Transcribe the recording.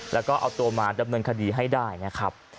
แล้วก็เอาตัวมาดำเนินคดีให้ได้นะครับ